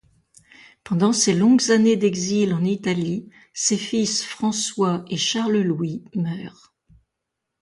Pendant ces longues années d'exil en Italie, ses fils François et Charles Louis meurent.